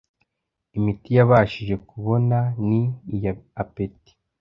imiti yabashije kubona ni iya apeti ....